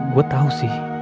gue tau sih